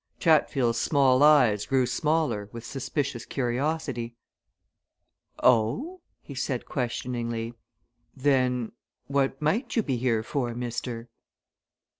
Chatfield's small eyes grew smaller with suspicious curiosity. "Oh?" he said questioningly. "Then what might you be here for, mister?"